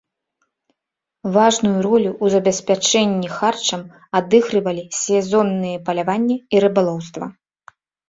Важную ролю ў забеспячэнні харчам адыгрывалі сезонныя паляванне і рыбалоўства.